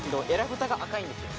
ぶたが赤いんですよ